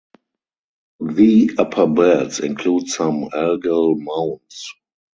The upper beds include some algal mounds.